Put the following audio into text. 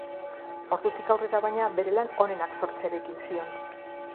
Ordutik aurrera baina bere lan onenak sortzeari ekin zion.